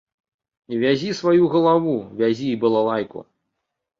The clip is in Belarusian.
Вязі сваю галаву, вязі і балалайку.